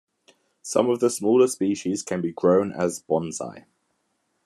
Some of the smaller species can be grown as bonsai.